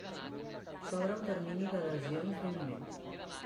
S'obre un termini d'adhesions d'un mes.